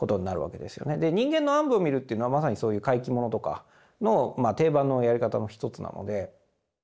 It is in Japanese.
で人間の暗部を見るというのはまさにそういう怪奇ものとかの定番のやり方の一つなので。